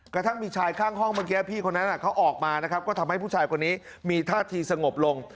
กระทั่งมีชายข้างห้องเมื่อกี้พี่คนนั้นเขาออกมานะครับก็ทำให้ผู้ชายคนนี้มีท่าทีสงบลง